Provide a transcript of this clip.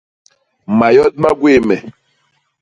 Mayot ma gwéé me.